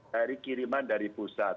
dari kiriman dari pusat